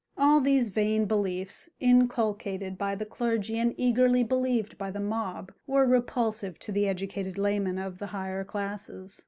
_) All these vain beliefs, inculcated by the clergy and eagerly believed by the mob, were repulsive to the educated laymen of the higher classes.